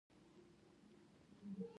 ددې ښار د ښایست یو خوندور ترکیب جوړ کړی دی.